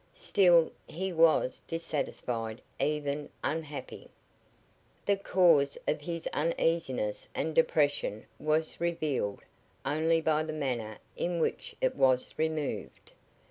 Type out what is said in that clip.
Still he was dissatisfied, even unhappy. The cause of his uneasiness and depression was revealed only by the manner in which it was removed.